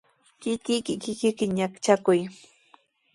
Kikiyki ñaqchakuy.